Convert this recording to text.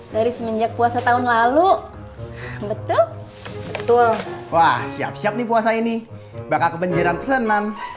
dari semenjak puasa tahun lalu betul betul wah siap siap nih puasa ini bakal kebanjiran pesanan